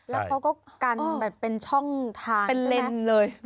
แล้วเขาก็กันแบบเป็นช่องทางใช่ไหมเป็นเรนเลยใช่